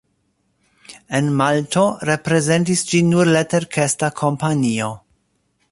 En Malto reprezentis ĝin nur leterkesta kompanio.